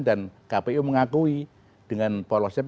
dan kpu mengakui dengan polosnya